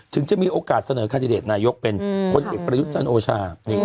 จะมีโอกาสเสนอคันดิเดตนายกเป็นคนเอกประยุทธ์จันทร์โอชา